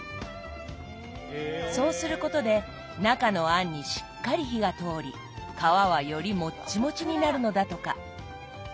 そうすることで中の餡にしっかり火が通り皮はよりもっちもちになるのだとか。